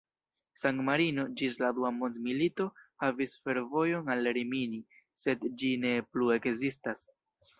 San-Marino ĝis la Dua mondmilito havis fervojon al Rimini, sed ĝi ne plu ekzistas.